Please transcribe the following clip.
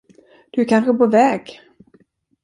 Du är kanske på väg.